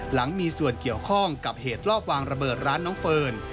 หลังมีส่วนเกี่ยวข้องกับเหตุรอบวางระเบิดร้านน้องเฟิร์น